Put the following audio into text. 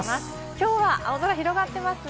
きょうは青空広がってますね。